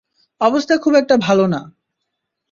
অবস্থা খুব একটা ভালো না।